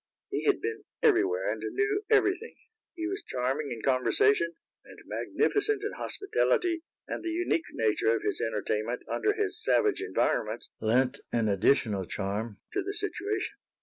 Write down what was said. He had been everywhere, and knew everything. He was charming in conversation and magnificent in hospitality, and the unique nature of his entertainment under his savage environments lent an additional charm to the situation.